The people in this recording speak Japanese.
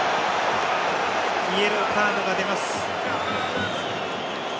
イエローカードが出ます。